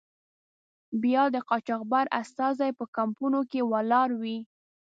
بیا د قاچاقبر استازی په کمپونو کې ولاړ وي.